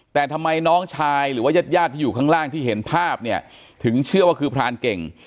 แต่ทำไมน้องชายหรือว่ายาดที่อยู่ข้างล่างที่เห็นภาพเนี่ยถึงเชื่อว่าคือพรานเก่ง